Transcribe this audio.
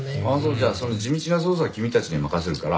じゃあその地道な捜査は君たちに任せるから。